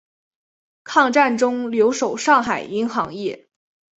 抗战中留守上海银行业。